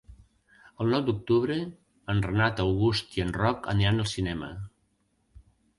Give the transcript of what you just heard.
El nou d'octubre en Renat August i en Roc aniran al cinema.